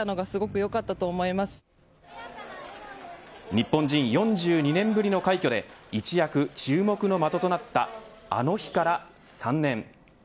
日本人４２年ぶりの快挙で一躍、注目の的となったあの日から３年。